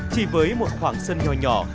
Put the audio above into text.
chỉ với một khoảng sân nhỏ nhỏ